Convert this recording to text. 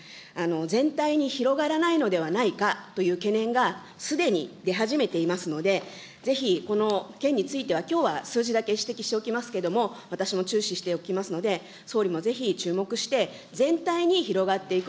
全体に広がらないのではないかという懸念がすでに出始めていますので、ぜひ、この件についてはきょうは数字だけ指摘しておきますけれども、私も注視しておきますので、総理もぜひ、注目して全体に広がっていく